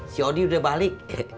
si odi udah balik